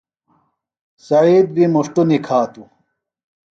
سعید بیۡ مُݜٹو نِکھاتُوۡ۔